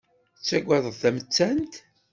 Ttaggadeɣ tamettant.